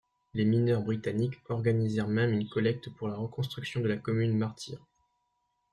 Les mineurs britanniques organisèrent même une collecte pour la reconstruction de la commune martyre.